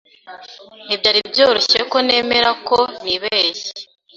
Ntibyari byoroshye ko nemera ko nibeshye.